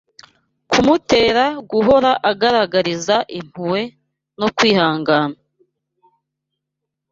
kumutera guhora agaragariza impuhwe no kwihanganira